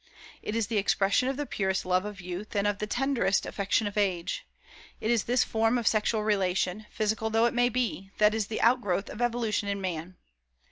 It is the expression of the purest love of youth, and of the tenderest affection of age. It is this form of sexual relation, physical though it may be, that is the outgrowth of evolution in man.